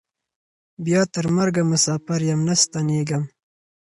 بیا تر مرګه مساپر یم نه ستنېږم